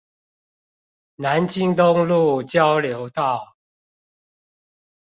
南京東路交流道